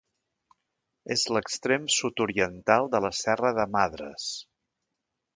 És l'extrem sud-oriental de la Serra de Madres.